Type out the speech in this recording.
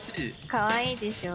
かわいいでしょ？